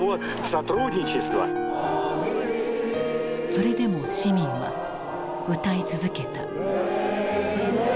それでも市民は歌い続けた。